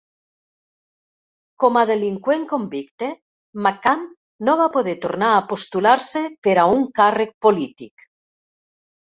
Com a delinqüent convicte, McCann no va poder tornar a postular-se per a un càrrec polític.